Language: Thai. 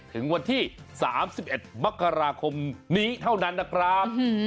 ถึงวันที่๓๑มกราคมนี้เท่านั้นนะครับ